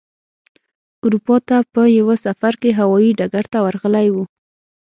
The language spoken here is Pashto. اروپا ته په یوه سفر کې هوايي ډګر ته ورغلی و.